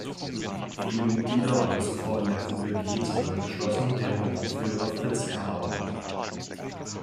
Viele Mitglieder waren zuvor in der "Gruppe G" zusammengeschlossen, deren Wortführer Fritz Erler war.